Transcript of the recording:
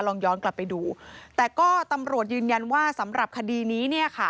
ลองย้อนกลับไปดูแต่ก็ตำรวจยืนยันว่าสำหรับคดีนี้เนี่ยค่ะ